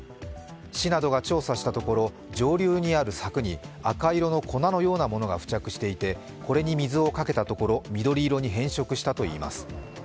市などが調査したところ上流にある柵に赤色の粉のようなものが付着していてこれに水をかけたところ、緑色に変色したといいます。